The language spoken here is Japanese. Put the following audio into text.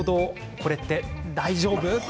これって大丈夫？